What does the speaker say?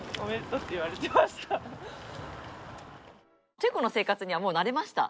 チェコの生活にはもう慣れました？